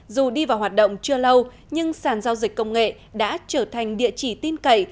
dù đi vào hoạt động chưa lâu nhưng sản giao dịch công nghệ đã trở thành địa chỉ tin cậy